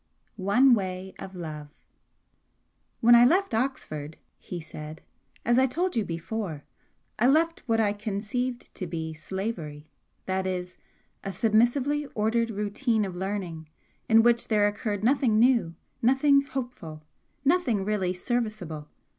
XI ONE WAY OF LOVE "When I left Oxford," he said "as I told you before, I left what I conceived to be slavery that is, a submissively ordered routine of learning in which there occurred nothing new nothing hopeful nothing really serviceable.